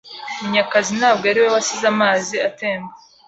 Munyakazi ntabwo ari we wasize amazi atemba.